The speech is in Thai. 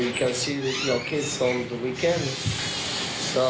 แล้วคุณจะเห็นพวกคุณของคุณในเวลาของคุณ